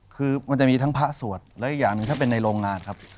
คือมันจะมีทั้งพระสวดและอีกอย่างหนึ่งถ้าเป็นในโรงงานครับ